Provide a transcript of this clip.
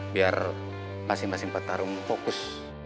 biar masing masing petarung fokus